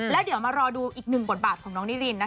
แล้วเดี๋ยวมารอดูอีกหนึ่งบทบาทของน้องนิริน